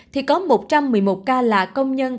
thì có một trăm một mươi một ca là công nhân